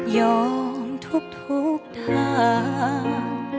ยอมทุกทุกทาง